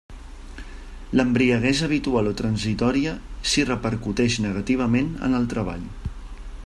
L'embriaguesa habitual o transitòria si repercutix negativament en el treball.